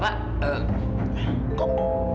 pak pak pak